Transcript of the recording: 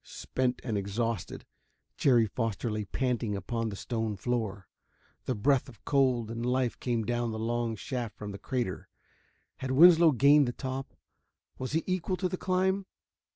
Spent and exhausted, Jerry Foster lay panting upon the stone floor. The breath of cold and life came down the long shaft from the crater. Had Winslow gained the top? Was he equal to the climb?